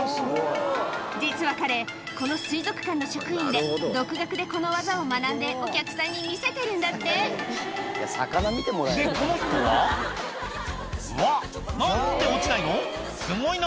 実は彼この水族館の職員で独学でこの技を学んでお客さんに見せてるんだってでこの人はうわ何で落ちないの？